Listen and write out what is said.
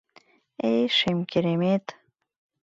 Эй, шем керемет!..